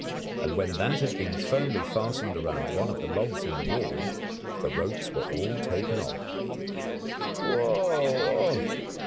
And when that had been firmly fastened round one of the logs in the wall, the ropes were all taken off. Wow ugh!